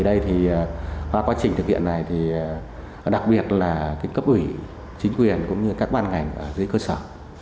và qua quá trình thực hiện này đặc biệt là cấp ủy chính quyền cũng như các bàn ngành dưới cơ sở